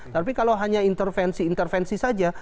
tapi kalau hanya intervensi intervensi saja